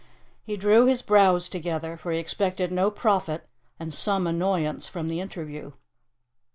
He drew his brows together, for he expected no profit and some annoyance from the interview.